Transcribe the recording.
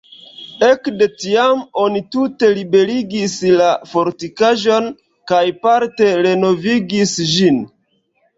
Ekde tiam oni tute liberigis la fortikaĵon kaj parte renovigis ĝin.